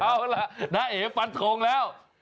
อ้าวน้าเอฟันโทงแล้ว